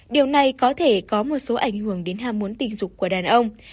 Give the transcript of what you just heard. điều này có thể có một số ảnh hưởng đến hàm muốn tình dục của đàn ông